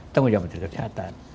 tengah saja menteri kesehatan